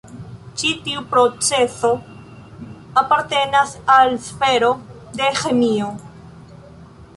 Ĉi tiu procezo apartenas al sfero de ĥemio.